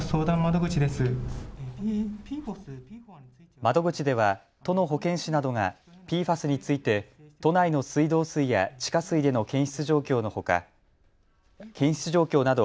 窓口では都の保健師などがＰＦＡＳについて都内の水道水や地下水での検出状況のほか検出状況など